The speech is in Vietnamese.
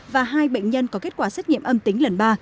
và hai bệnh nhân có kết quả xét nghiệm âm tính lần ba